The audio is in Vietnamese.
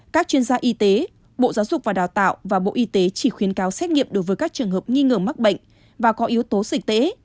các chuyên gia y tế bộ giáo dục và đào tạo và bộ y tế chỉ khuyến cáo xét nghiệm đối với các trường hợp nghi ngờ mắc bệnh và có yếu tố dịch tễ